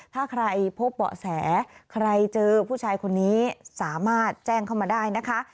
ถ้าใครพบเบาะแสใครเจอผู้ชายคนนี้สามารถแจ้งเข้ามาได้นะคะ